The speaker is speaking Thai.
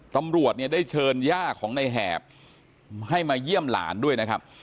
ตำรวจเนี่ยได้เชิญย่าของในแหบให้มาเยี่ยมหลานด้วยนะครับ